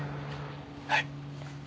はい。